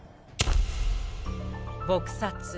撲殺。